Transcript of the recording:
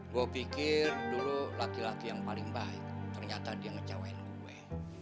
gue pikir dulu laki laki yang paling baik ternyata dia ngecewain gue